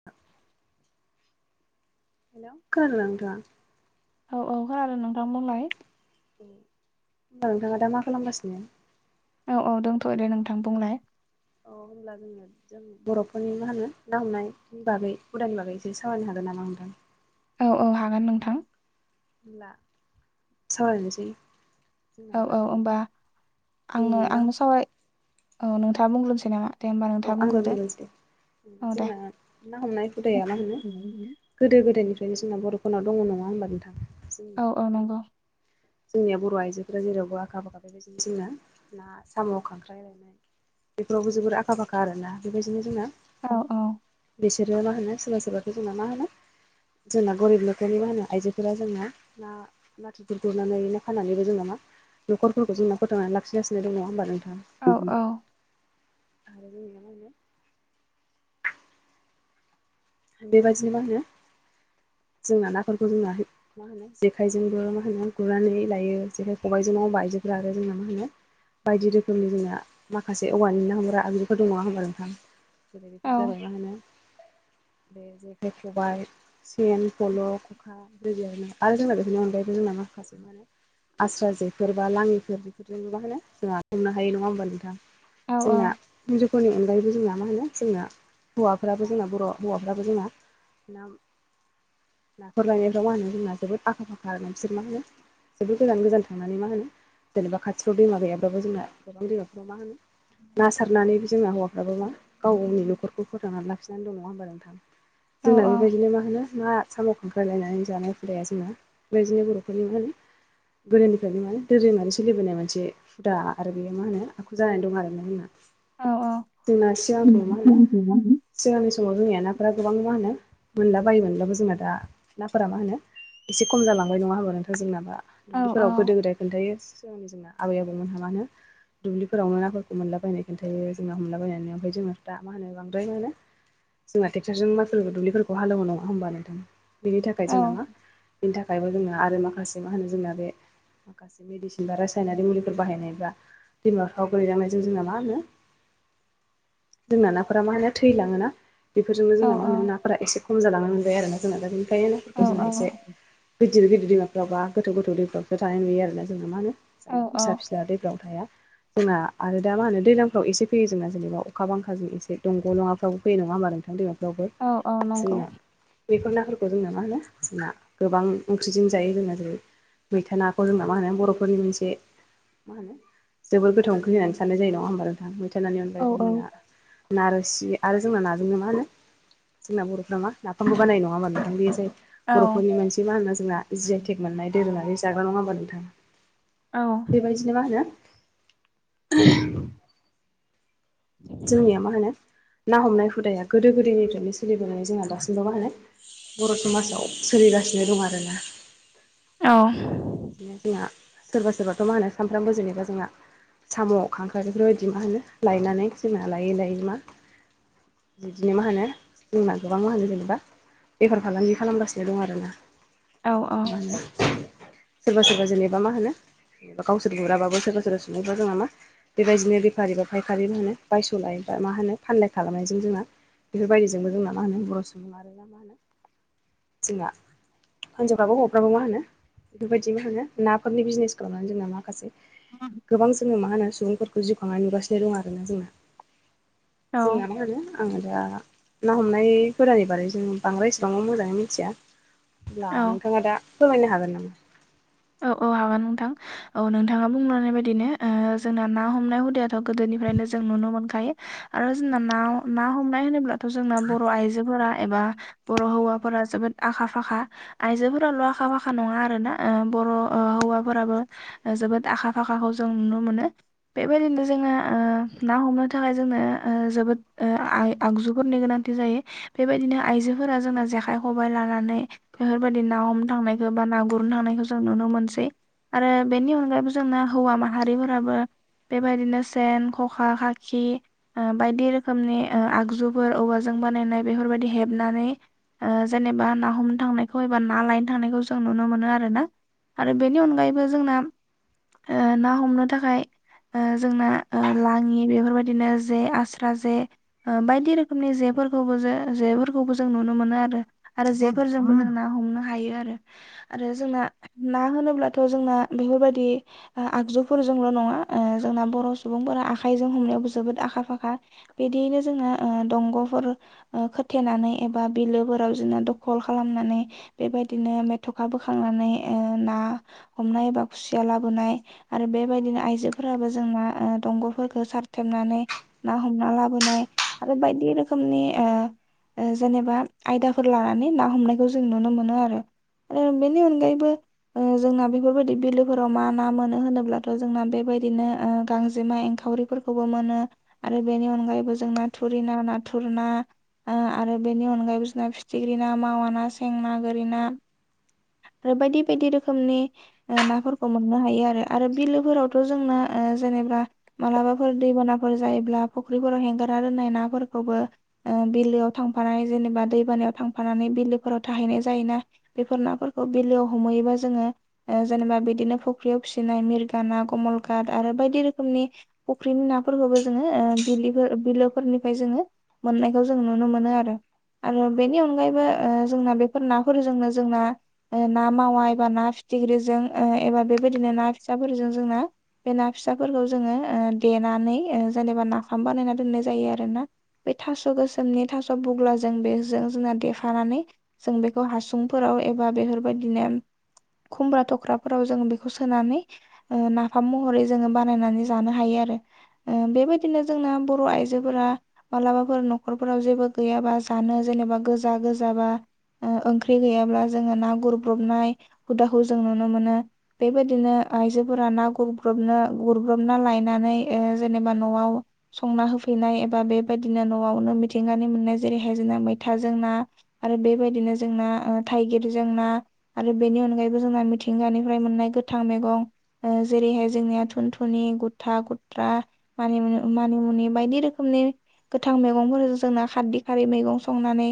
[inaudible] Hello खोनादोंना नोंथाङा? औ औ खोनादों नोंथां बुंलाय। ओं नोंथाङा दा मा खालामगासिनो? औ औ दंथ'यो दे नोंथां बुंलाय? अ' होनब्ला जोङो जों बर'फोरनि मा होनो ना हमनाय बागै हुदानि बागै एसे सावरायनो हागोन नामा नोंथां? औ औ हागोन नोंथां। ला सावरायनोसै। जोंना औ मा औ होनो ओमबा आंनो जोंनि ना आंनो सावराय औ नोंथाङा बुंग्रोनोसै नामा? दे होमबा औ नोंथाङा आंनो बुंग्रोदो बुंग्रोसै दे। औ दे जोंना ना हमनाय हुदाया मा होनो गोदो गोदायनिफ्रायनो जोंना बर'फोरनाव दङ नङा होनबा नोंथां जोंनिया औ औ ना हमनाया। नंगौ जोंनिया बर' आइजोफोरा जेरावबो आखा फाखा बेबायदिनो जोंनो ना, साम', खांख्राइ लायनाय बेफोरावबो जोबोर आखा फाखा आरोना बेबायदिनो जोंना औ औ बिसोरो मा होनो सोरबा सोरबाखौ जोंना मा होनो जोंना गरिब न'खरनि मा होनो आइजोफोरा जोंना ना नाथुरफोरखौ गुरनानै ना फाननानैबो जोङा मा न'खरफोरखौ जोंना फोथांना लाखिगासिनो दङ होमबा नोंथां। औ औ थारैनो [unintelligible] माहोनो बेबायदिनो मा होनो जोंना नाफोरखौ जोंना मा होनो जेखायजोंबो मा होनो गुरनानै लायो जेखाय खबाइजों न'आव आयजोबग्रा आरो जोंना मा होनो बायदि रोखोमनि जोंना माखासे औवानिनो हमग्रा आगजुफोर दं नङा होनोमबा नोंथां जेरै औ बेफोर जाबाय मा होनो बे जेखाइ खबाइ पेन फल' खखा दै आरो जोंना बेफोरनि अनगायैबो जोंना माखासे माने आस्रा जेफोर बा लाङिफोर बेफोरजोंनो मा होनो जोंहा संनो हायो नङा होमबा नोंथां जोंना [unintelligible] फोरनि अनगायैबो जोंना मा होनो जोंना हौवाफोराबो जोंना बर' हौवाफ्राबो जोंना नाखर लायनायफ्राव मा होनो जोंना जोबोद आखा फाखा बिसोर मा होनो जेबोद गोजान गोजान थांनानै मा होनो जेनेबा खाथियाव दैमा गैयाबाबो जोंना गोबां दैमाफोराव मा होनो ना सारनानै जोंना हौवाफ्राबो मा गाव गावनि न'खरखौ फोथांनानै लाखिनानै दङ होमबा नोंथां औ जोंना बेबायदिनो मा होनो मा साम' खांख्रायलायनानै जानाय फुदाया जोंना बेबायदिनो बर'फोरनि गोदोनिफ्रायनो माने दोरोङारि सोलिबोनाय मोनसे हुदा आरो बेयो मा होनो आखु जानानै दं आरोना जोंना औ औ जोंना सियालखौ मा होनो सिगांनि समाव जोंनिया नाफोरा गोबां मा होनो मोनला बायोमोन अब्लाबो जोंना दा नाफोरा मा होनो एसे खम जालांबाय नङा होमबा नोंथां जोंनाबा दुब्लिफोराव गोदो गोदाय खोन्थायो जोंनि जोंना आबै आबौमोनहा मा होनो दुब्लिफोरावनो नाफोरखौ मोनलाबायनाय खोन्थायो जोंना हमलाबायनानै ओमफ्राय जोंनाफा मा होनोांद्राय होनो जोंना ट्रेकटरजों मफोर दुब्फोरखौ हालवो ना नङा होमबा नोंथां बेनि थाखाय जोंना मा बिनि थाखायबो जोङो आरो माखासे मा होनो जोंना बे माखासे मेडिसिन बा रासायनारि मुलिफोर बाहायनायबा दै माफ्राव गोलैलांनायजों जोंना मा होनो जोंना नाफोरा मा होनो थैलाङोना बेफोरजोंनो औ जोंना मा होनो नाफोरा एसे खम जालांनो मोनजायो आरोना जोंना दा बेनिखायनो औ नाफोरखौ जोंना एसे गिदिर गिदिर दैमाफ्रावबा गोथौ गोथौ दैफ्रावसो थानाय नुयो आरोना जोंना मा होनो औ जों फिसा फिसा जाहा दैफ्रावनो थाया जोंना आरो दा मा होनो दैज्लांफ्राव एसे फैयो जोंना जेनेबा अखा बांखाजों एसे दंग' नङाफ्राव फैयो नङा होमबा नोंथांनि दैमाफ्रावबो औ औ नंगौ जोंना बेफोर नाफोरखौ जोंनो मा होनो जोंना गोबां ओंख्रिजों जायो जोङो जेरै मैथा नाखौ जोंना मा होनो बर'फोरनि मोनसे मा होन जोबद गोथाव ओंख्रि होननानै साननाय जायो नङा होनोमबा नोंथां नानै औ अनाय जोंना नारसि आरो जोंना नाजोंनो मा होनो जोंना बर'फ्रा मा नाफामबो बानाय नङाबा नोंथां बे जाय औ बर'फोरनि मान बि मा होनना जोंना जि अइटेक मोननाय दोरोंङारि जाग्रा नङा होनबा नोंथाङा औ बेबायदिनो मा होनो जोंनिया मा होनो ना हमनाय हुदाया गोदो गोदायनिफ्रायनो सोलिबोनानै जोंहा दासिमबो मा होनो बर' समाजाव सोलिगासिनो दं आरोना औ आरो मा होनो बिदिनो जोंहा सोरबा सोरबाथ' मा होनो सानफ्रामबो जेनेबा जोंना साम' खांख्राइ बेफोरबायदि मा होनो लायनानै जोंना लायै लायै मा बिदिनो मा होनो जमा गोबां मा होनो जेनेबा बेफार फालांगि खालामगासिनो दं आरोना सोरबा सोरबा जेनेबा मा होनो गावसोर गुराबाबो सोरबा सोरबा सङैोबा जों नामा बेबायदिनो बेफारि बा फायखारि मा होनो बायस'लाय बा मा होनो फानलाय खालामनायजों जोंना बेफोरबायदिजोंबो जोंना मा होनो बर' सुबुं आरोना मा होनो जोंना हिनजावफ्राबो हौवाफ्राबो मा होनो बेफोरबायदि मा होनो नाफोरनि बिजिनेस खालामनानै जोंङो माखासे गोबां जोङो मा होनो सुबुंफोरखौ जिउ खांनानै नुगासिनो दं आरोना जोंयो औ जोंनानोानो आङो दा ना हमनाय गानि बारै जों बांद्रायसेबां मोजाङै मिथिया हब्ला औ नोंथाङा दा फोरमायनो हागोन नामा? औ औ हागोन नोंथां औ नोंथाङा बुंनाय बायदिनो जोंना ना हमनाय हुदायाथ' गोदोनिफ्रायनो जों नुनो मोनखायो आरो जोंना ना ना हमनाय होनोब्लाथ' जोंना बर' आइजोफोरा एबा बर' हौवाफोरा जोबोद आखा फाखा आयजोफोराल' आखा फाखा नङा आरो ना बर' हौवाफोराबो जोबोद आखा फाखाखौ जों नुनो मोनो। बेबायदिनो जोङो ना हमनो थाखाय जोंनो जोबोद आगजुफोरनि गोनां बि जायो बेबायदिनो आइजोफोरा जोंना जेखाइ खबाइ लानानै बेफोरबायदि ना हमनो थांनायखौ बा ना गुरनो थांनायखौ जों नुनो मोनसै। आरो बेनि अनगायैबो जोंना हौवा माहारिफोराबो बेबायदिनो सेन, खखा, खाखि बायदि रोखोमनि आगजुफोर औवाजों बानायनाय बेफोरबायदि हेबनानै जेनेबा ना हमनो थांनायखौ एबा ना लायनो थांनायखौ जों नुनो मोनो आरो ना। आरो बेनि अनगायैबो जोंना ना हमनो थाखाय जोंना लाङि बेफोरबायदिनो जे, आस्रा जे, बायदि रोखोमनि जेफोरखौबो ज जेफोरखौबो जों नुनो मोनो आरो। आरो जेफोरजोंबो जों ना हमनो हायो आरो आरो जोंना ना होनोब्लाथ' जोंना बेफोरबायदि आगजुफोरजोंल' नङा जोंना बर' सुबुंफोरा आखाइजों हमनायाव जोबोद आखा फाखा बिदियैनो जोंना दंग'फोर खोथेनानै एबा बिलोफोराव जोंना दखल खालामनानै बेबायदिनो मेथ'खा बोखांनानैओ ना हमनाय एबा खुसिया लाबोनाय आरो बेबायदिनो आइजोफोराबो जोंना दंगलफोरफोरखौ सारथेबनानै ना हमना लाबोनाय आरो बायदि रोखोमनिओ जेनेबा आयदाफोर लानानै ना हमनायखौ जों नुनो मोनो आरो। ओ बेनि अनगायैबो जोंना बेफोरबायदि बिलोफोराव मा ना मोनो होनोब्लाथ' जोंना बेबायदिनो गांजेमा एंखावरिफोरखौ खौबो मोनो आरो बेनि अनगायैबो जोंना थुरिना, नाथुर ना ओ आरो बेनि अनगायैबो जोंना फिथिख्रि ना, मावा ना, सें ना, गोरि ना आरो बायदि -बायदि रोखोमनि नाफोरखौ मोननो हायो आरो। आरो बिलोफोरावथ' जोंना जेनेबा मालाबाफोर दैबानाफोर जायोब्ला फुख्रिफोराव हेंगारना दोननाय नाफोरखौबो बिलोआव थांफानानै जेनेबा दैबानायायाव थांफानानै बिलोफोराव थाहैनाय जायोना बेफोर नाफोरखौ बिलोआव हमहैयोबा जोङो जेनेबा बिदिनो फुख्रियाव फिसिनाय मिरगा ना, कमलकाट आरो बायदि रोखोमनि फुख्रिनि नाफोरखौबो जोङो बिलिफोर बिलोफोरनिफ्राय जोङो मोननायखौ जों नुनो मोनो आरो। आरो बेनि अनगायैबोओ जोंना बेफोर नाफोरजोंनो जोंना ओ ना मावा एबा ना फिथिख्रिजों एबा बेबायदिनो ना फिसाफोरजों जोंना बे ना फिसाफोरखौ जोङोओ देनानै ओ जेनेबा नाफाम बानायना दोननाय जायो आरोना। बे थास' गोसोमनि थास' बुग्लाजों बेजों जोंना देफानानै जों बेखौ हासुंफोराव एबा बेफोरबायदिनो खुम्ब्रा थख्राफोराव जों बेखौ सोनानै नाफाम महरै जोङो बानायनानै जानो हायो आरो। बेबायदिनो जोंना बर' आइजोफोरा मालाबाफोर नखरफोराव जेबो गैयाबा जानो जेनेबा गोजा -गोजाबा ओंख्रि गैयाब्ला जोङो ना गुरब्रबनाय हुदाखौ जों नुनो मोनो। बेबायदिनो आइजोफोरा ना गुरग्रबनो -गुरब्रबना लायनानै जेनेबा न'आव संना होफैनाय एबा बेबायदिनो न'आवनो मिथिंगानि मोननाय जेरैहाय जोंना मैथाजों ना आरो बेबायदिनो जोंना ओ थाइगिरजों ना आरो बेनि अनगायैबो जोंना मिथिंगानिफ्राय मोननाय गोथां मैगं ओ जेरैहाय जोंनिया थुनथुनि गुथा गुथ्रा। मानिमुनि मानिमुनि बायदि रोखोमनि गोथां मैगंफोरजों जोंना खारदि खारै मैगं संनानै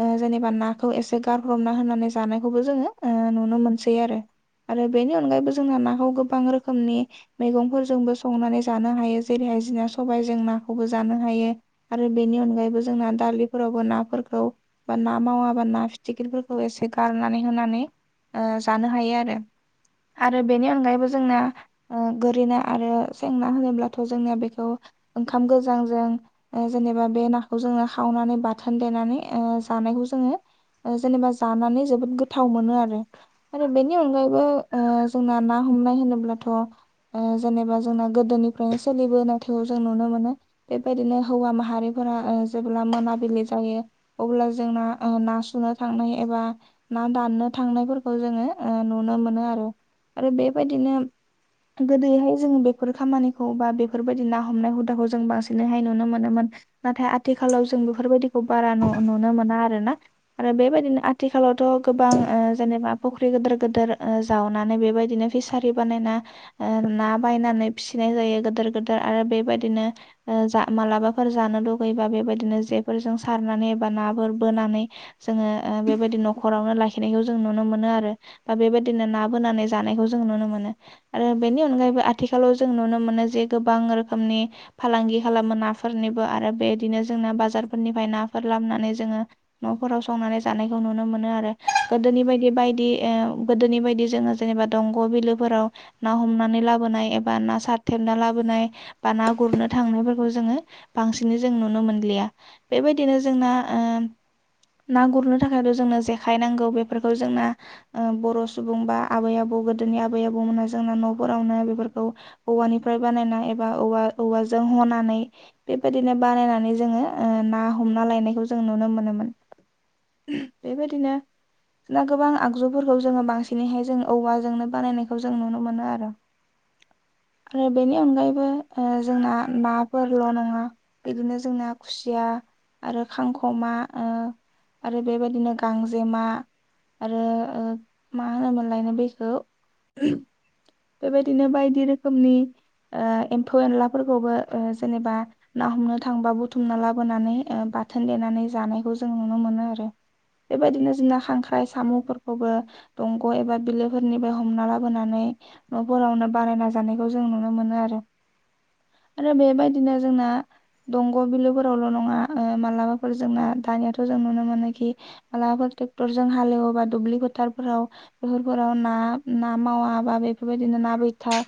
ओ जेनेबा नाखौ एसे गारब्रबना होनानै जानायखौबो जोङो ओ नुनो मोनसै आरो। आरो बेनि अनगायैबो जोंना नाखौ गोबां रोखोमनि मैगंफोरजोंबो संनानै जानो हायो जेरैहाय जिना सबायजों नाखौबो जानो हायो। आरो बेनि अनगायैबो जोंना दालिफोरावबो नाफोरखौ बा ना मावाबा ना फिथिख्रिफोरखौ एसे गारनानै होनानै ओ जानो हायो आरो। आरो बेनि अनगायैबो जोंना ओ गोरैना आरो सेंना होनोब्लाथ' जोंनिया बेखौ ओंखाम गोजांजों ओ जेनेबा बे नाखौ जोङो खावनानै बाथोन देनानै ओ जानायखौ जोङो जेनेबा जानानै जोबोद गोथाव मोनो आरो आरो बेनि अनगायैबो ओ जोंना ना हमनाय होनोब्लाथ' ओ जेनेबा जोंना गोदोनिफ्रायनो सोलिबो नाथायखौ जों नुनो मोनो। बेबायदिनो हौवा माहारिफोरा ओ जेब्ला मोनाबिलि जायो। अब्ला जोंना ओ ना सुनो थांनाय एबा ना दाननो थांनायफोरखौ जोङो ओ नुनो मोनो आरो आरो बेबायदिनो गोदोहाय जों बेफोर खामानिखौ बा बेफोरबायदि ना हमनाय हुदाखौ जों बांसिनैहाय नुनो मोनोमोन। नाथाय आथिखालाव जों बेफोरबायदिखौ बारा नु-नुनो मोना आरोना आरो बेबायदिनो आथिखालावथ' गोबां ओ जेनेबा फुख्रि गोदोर गोदोर जावनानै बेबायदिनो फिसारि बानायना ओ ना बायनानै फिसिनाय जायो गोदोर गोदोर आरो बेबायदिनो ओ जा मालाबाफोर जानो लुगैबा बेबायदिनो जेफोरजों सारनानै एबा नाफोर बोनानै जोङो बेबायदि न'खरावनो ला खिनायखौ जों नुनो मोनो आरो बा बेबायदिनो ना बोनानै जानायखौ जों नुनो मोनो। ओ बेनि अनगायैबो आथिखालाव जों नुनो मोनो जे गोबां रोखोमनि फालांगि खालामो नाफोरनिबो आरो बेदिनो जोंना बाजारफोरनिफ्राय नाफोर लाबोनानै जोङो न'फोराव संनानै जानायखौ नुनो मोनो आरो। गोदोनि बायदि बायदि ओ गोदोनि बायदि जोङो जेनेबा दंग' बिलोफोराव ना हमनानै लाबोनाय एबा ना सारथेबना लाबोनाय बा ना गुरनो थांनायफोरखौ जोङो बांसिनै जों नुनो मोनलिया। बेबायदिनो जोंना ओ ना गुरनो थाखायथ' जोंनो जेखाय नांगौ बे फोरखौ जोंना ओ बर' सुबुं बा आबै आबौ गोदोनि आबै आबौमोना जोंना न'फोरावनो बेफोरखौ औवानिफ्राय बानायना एबा औ औवाजों हनानै बेबायदिनो बानायनानै जोङो ओ ना हमना लायनायखौ जों नुनो मोनोमोन। [inaudible] बेबायदिनो ना गोबां आगजुफोरखौ जोङो बांसिनैहाय जों औवाजोंनो बानायनायखौ जों नुनो मोनो आरो। [inaudible] फफ्राय बेनि अनगायैबो ओ जोंना नाफोरल' नङा बिदिनो जोंना खुसिया आरो खांख'मा ओ आरो बेबायदिनो गांजेमा आरो ओ मा होनोमोनलायनो बेखौ बेबायदिनो बायदि रोखोमनि ओ एम्फौ एनलाफोरखौबो ओ जेनेबा ना हमनो थांबा बुथुमना लाबोनानै ओ बाथोन देनानै जानायखौ जों नुनो मोनो आरो। बेबायदिनो जोंना खां खाय साम'फोरखौबो दंग' एबा बिलोफोरनिफ्राय हमना लाबोनानै न'फोरावनो बानायना जानायखौ जों नुनो मोनो आरो। आरो बेबायदिनो जोंना दंग' बिलोफोरावल' नङा ओ मालाबाफोर जोंना दानियाथ' जों नुनो मोनोखि मालाबाफोर ट्रेक्टर जों हालेव एवब्ला दुब्लि फोथारफोराव बेफोराव ना ना मावाबा बेफोरबायदिनो ना बैथा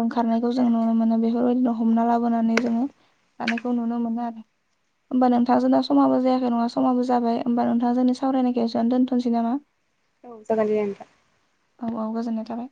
ओंखारनायखौ जों नुनो मोनो बेफोरबायदिनो हमना लाबोनानै जोंङो जानायखौ नुनो मोनो आरो। होमबा नोंथां जोंना समाबो जायाखै नङा समाबो जाबाय होमबा नोंथां जोंनि सावरायनायखौ एसेयावनो दोन थ नोसै नामा। औ जागोन दे नोंथां औ औ गोजोननाय थाबाय